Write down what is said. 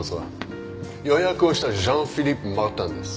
予約をしたジャン・フィリップ・マルタンです。